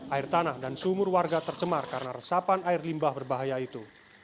air tanah dan sumur warga tercemar karena resapan air limbah berbahaya itu